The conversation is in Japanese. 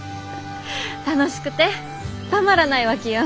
楽しくてたまらないわけよ。